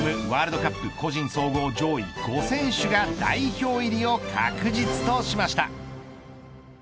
ワールドカップ個人総合上位５選手が代表入りを確実としました。